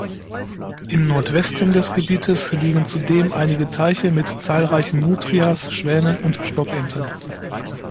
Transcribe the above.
Im Nordwesten des Gebietes liegen zudem einige Teiche mit zahlreichen Nutrias, Schwänen und Stockenten.